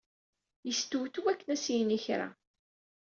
Yestewtew akken ad s-yini kra.